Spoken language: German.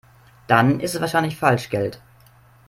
Dann ist es wahrscheinlich Falschgeld.